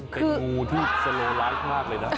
เป็นงูที่สโลไลฟ์มากเลยนะ